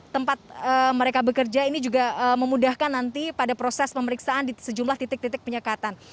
tempat mereka bekerja ini juga memudahkan nanti pada proses pemeriksaan di sejumlah titik titik penyekatan